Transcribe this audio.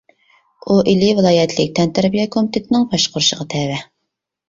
ئۇ ئىلى ۋىلايەتلىك تەنتەربىيە كومىتېتىنىڭ باشقۇرۇشىغا تەۋە.